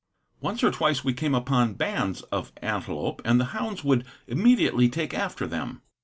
Once or twice we came upon bands of antelope, and the hounds would immediately take after them.